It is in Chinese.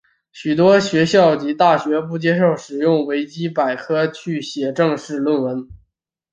许多学校及大学不接受使用维基百科去写正式论文。